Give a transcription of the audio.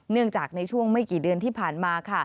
เนื่องจากในช่วงไม่กี่เดือนที่ผ่านมา